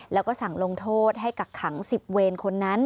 แล้วก็สั่งลงโทษให้กักขัง๑๐เวรคนนั้น